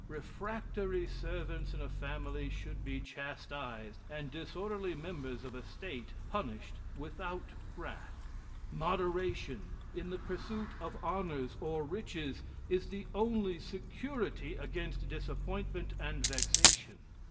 Refractory servants in a family should be chastised, and disorderly members of a state punished without wrath. "Moderation, in the pursuit of honors or riches, is the only security against disappointment and vexation.